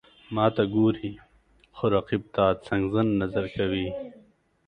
ماته ګوري، خو رقیب ته څنګزن نظر کوي.